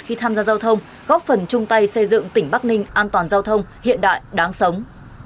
khi tham gia giao thông góp phần chung tay xây dựng tỉnh bắc ninh an toàn giao thông hiện đại đáng sống